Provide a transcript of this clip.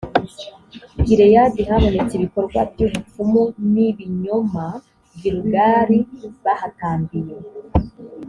gileyadi habonetse ibikorwa by ubupfumu n ibinyoma gilugali bahatambiye